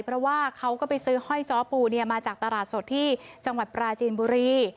เพราะว่าเขาก็ไปซื้อห้อยจ้อปูมาจากตลาดสดที่จังหวัดปราจีนบุรี